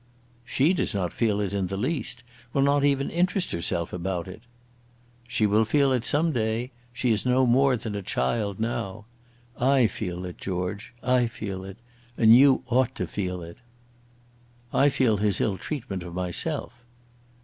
"She does not feel it in the least; will not even interest herself about it." "She will feel it some day. She is no more than a child now. I feel it, George; I feel it; and you ought to feel it." "I feel his ill treatment of myself."